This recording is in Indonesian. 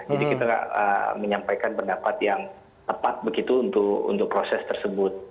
jadi kita menyampaikan pendapat yang tepat begitu untuk proses tersebut